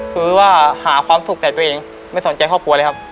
คือว่าหาความสุขแต่ตัวเองไม่สนใจครอบครัวเลยครับ